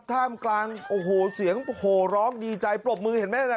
ท่ามกลางโอ้โหเสียงโหร้องดีใจปรบมือเห็นไหมนะ